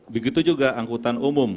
begitu juga angkutan umum